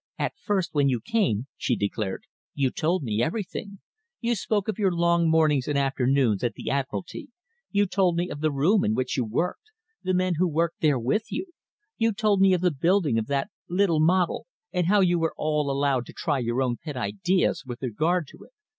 "At first when you came," she declared, "you told me everything. You spoke of your long mornings and afternoons at the Admiralty. You told me of the room in which you worked, the men who worked there with you. You told me of the building of that little model, and how you were all allowed to try your own pet ideas with regard to it.